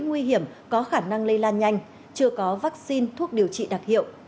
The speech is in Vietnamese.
nguy hiểm có khả năng lây lan nhanh chưa có vaccine thuốc điều trị đặc hiệu